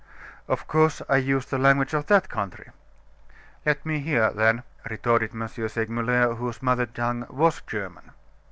"Of course, I use the language of that country." "Let me hear, then!" retorted M. Segmuller, whose mother tongue was German.